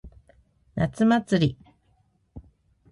夏祭り。